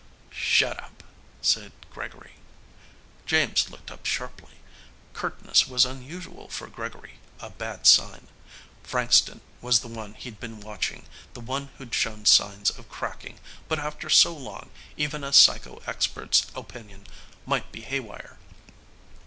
"Shut up," said Gregory. James looked up sharply. Curtness was unusual for Gregory, a bad sign. Frankston was the one he'd been watching, the one who'd shown signs of cracking, but after so long, even a psycho expert's opinion might be haywire.